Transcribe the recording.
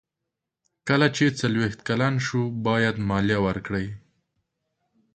کله چې څلویښت کلن شو باید مالیه ورکړي.